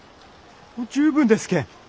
もう十分ですけん。